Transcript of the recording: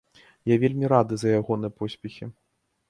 Я вельмі рады за ягоныя поспехі!